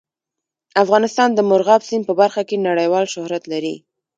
افغانستان د مورغاب سیند په برخه کې نړیوال شهرت لري.